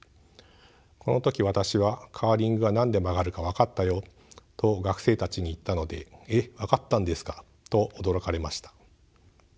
この時私は「カーリングが何で曲がるか分かったよ」と学生たちに言ったので「えっ分かったんですか？」と驚かれました。